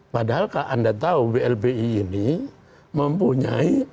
padahal anda tahu blbi ini mempunyai